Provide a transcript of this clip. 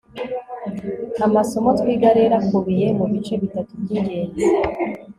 amasomo twiga rero akubiye mu bice bitatu by'ingenzi